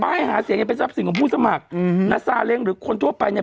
ป้ายหาเสียงเนี้ยเป็นทรัพย์สิ่งของผู้สมัครอืมนัสซาเล่งหรือคนทั่วไปเนี้ย